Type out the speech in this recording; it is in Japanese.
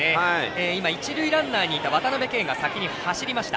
一塁ランナーにいた渡辺憩が先に走りました。